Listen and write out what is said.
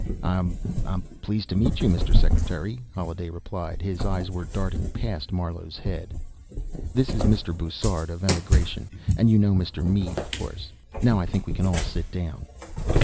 "I'm ... I'm pleased to meet you, Mr. Secretary," Holliday replied. His eyes were darting past Marlowe's head. "This is Mr. Bussard, of Emigration, and you know Mr. Mead, of course. Now, I think we can all sit down."